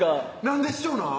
んで師匠なん？